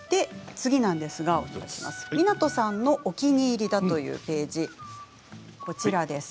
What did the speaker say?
次なんですが湊さんのお気に入りだというページです。